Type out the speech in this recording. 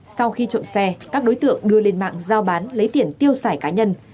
sau khi trộm xe các đối tượng đưa lên mạng giao bán lấy tiền tiêu xài cá nhân